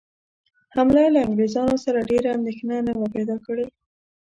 حمله له انګرېزانو سره ډېره اندېښنه نه وه پیدا کړې.